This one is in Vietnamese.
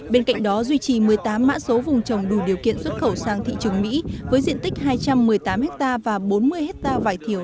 bên cạnh đó duy trì một mươi tám mã số vùng trồng đủ điều kiện xuất khẩu sang thị trường mỹ với diện tích hai trăm một mươi tám ha và bốn mươi hectare vải thiều